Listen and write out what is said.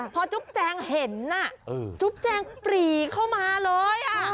พอจุ๊บแจงเห็นจุ๊บแจงปรีเข้ามาเลย